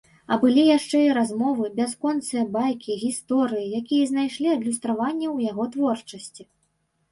А былі яшчэ і размовы, бясконцыя байкі, гісторыі, якія знайшлі адлюстраванне ў яго творчасці.